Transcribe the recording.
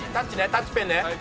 タッチペンね。